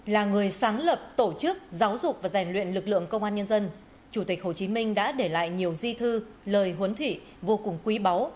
là người sáng lập tổ chức giáo dục và rèn luyện lực lượng công an nhân dân chủ tịch hồ chí minh đã để lại nhiều di thư lời huấn thị vô cùng quý báu